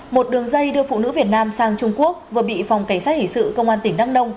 một đường dây đưa phụ nữ việt nam sang trung quốc vừa bị phòng cảnh sát hình sự công an tỉnh đăng nông